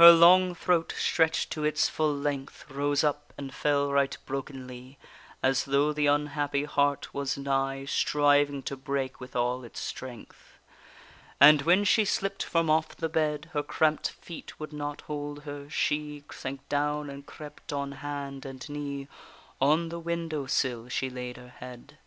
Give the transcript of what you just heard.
Her long throat, stretched to its full length, Rose up and fell right brokenly; As though the unhappy heart was nigh Striving to break with all its strength. And when she slipp'd from off the bed, Her cramp'd feet would not hold her; she Sank down and crept on hand and knee, On the window sill she laid her head.